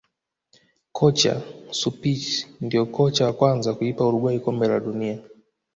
Kocha Suppici ndio kocha wa kwanza kuipa uruguay kombe la dunia